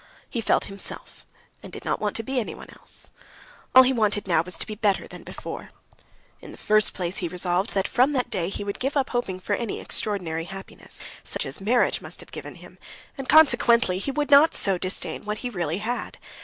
He felt himself, and did not want to be anyone else. All he wanted now was to be better than before. In the first place he resolved that from that day he would give up hoping for any extraordinary happiness, such as marriage must have given him, and consequently he would not so disdain what he really had.